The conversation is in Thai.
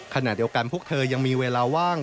ขณะเดียวกันพวกเธอยังมีเวลาว่าง